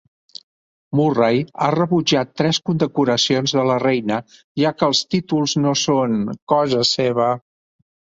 Murray ha rebutjat tres condecoracions de la reina, ja que els títols no són "cosa seva".